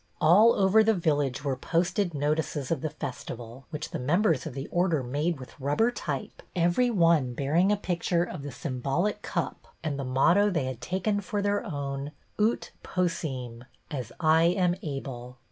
All over the village were posted notices of the festival, which the members of the Order made with rubber type, every one bearing a picture of the symbolic Cup and the motto they had taken for their own, " Ut Possirn," " As I am able."